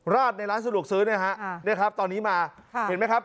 ราดในร้านสะดวกซื้อนะครับตอนนี้มาเห็นมั้ยครับ